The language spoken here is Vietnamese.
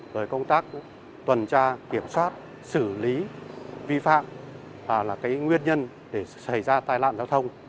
rồi công tác tuần tra kiểm soát xử lý vi phạm là cái nguyên nhân để xảy ra tai nạn giao thông